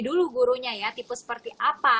dulu gurunya ya tipe seperti apa